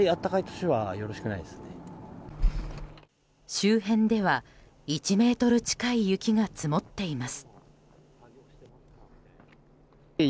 周辺では１ｍ近い雪が積もっています。